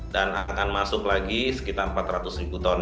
dan akan masuk lagi sekitar empat ratus ribu ton